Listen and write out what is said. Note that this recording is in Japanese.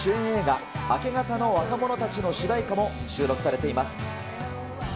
映画、明け方の若者たちの主題歌も収録されています。